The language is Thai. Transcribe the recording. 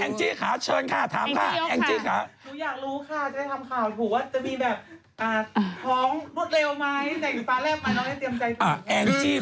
แอ็งกรูลาตัดภาพพอที่แอ็งกรูลาบดังใจ